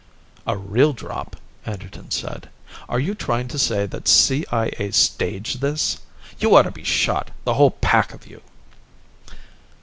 "A real drop?" Anderton said. "Are you trying to say that CIA staged this? You ought to be shot, the whole pack of you!"